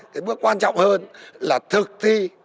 cái bước quan trọng hơn là thực thi